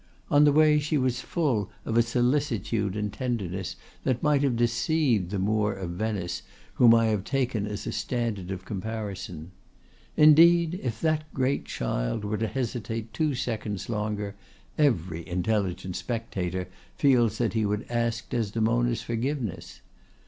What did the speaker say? On the way she was full of a solicitude and tenderness that might have deceived the Moor of Venice whom I have taken as a standard of comparison. Indeed, if that great child were to hesitate two seconds longer, every intelligent spectator feels that he would ask Desdemona's forgiveness.